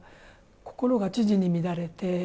心が千々に乱れて。